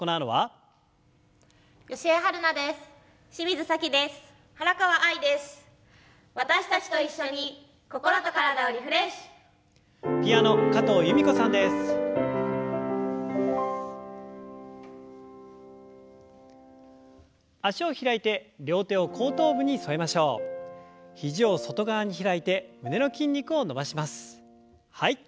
はい。